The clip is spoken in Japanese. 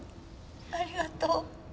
ありがとう泰乃